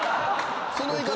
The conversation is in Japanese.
その言い方